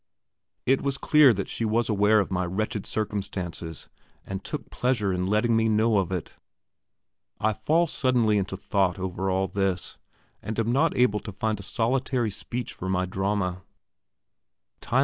It was clear that she was aware of my wretched circumstances, and took a pleasure in letting me know of it. I fall suddenly into thought over all this, and am not able to find a solitary speech for my drama.